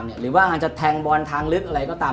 หรือว่าอาจจะแทงบอลทางลึกอะไรก็ตาม